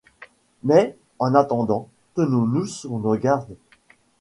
Mais, en attendant, tenons-nous sur nos gardes